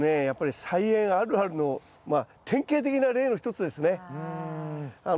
やっぱり菜園あるあるのまあ典型的な例の一つですね。